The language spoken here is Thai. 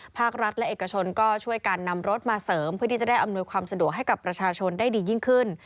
ภาครัฐและเอกชนก็ช่วยกันนำรถมาเสริมเพื่อที่จะได้อำนวยความสะดวกให้กับประชาชนได้ดียิ่งขึ้น